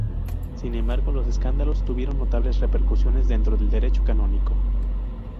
Sin embargo, los escándalos tuvieron notables repercusiones dentro del Derecho Canónico.